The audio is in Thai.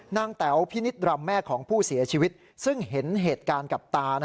แต๋วพินิษฐรรมแม่ของผู้เสียชีวิตซึ่งเห็นเหตุการณ์กับตา